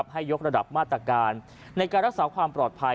ให้ยกระดับมาตรการในการรักษาความปลอดภัย